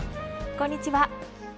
こんにちは。